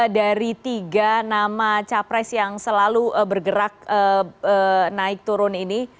dari tiga nama capres yang selalu bergerak naik turun ini